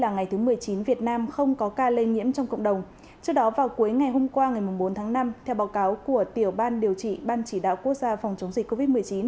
ngày hôm qua ngày bốn tháng năm theo báo cáo của tiểu ban điều trị ban chỉ đạo quốc gia phòng chống dịch covid một mươi chín